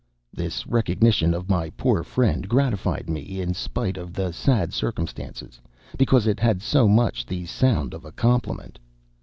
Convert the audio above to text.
This recognition of my poor friend gratified me, in spite of the sad circumstances, because it had so much the sound of a compliment.